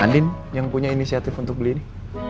andin yang punya inisiatif untuk beli ini